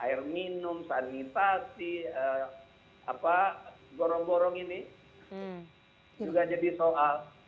air minum sanitasi apa gorong gorong ini juga jadi soal